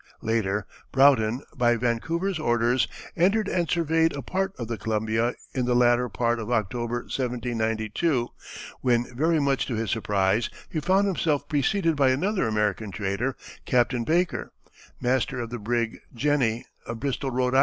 Later Broughton by Vancouver's orders entered and surveyed a part of the Columbia in the latter part of October, 1792, when very much to his surprise he found himself preceded by another American trader, Captain Baker, master of the brig Jenny, of Bristol, R.I.